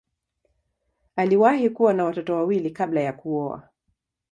Aliwahi kuwa na watoto wawili kabla ya kuoa.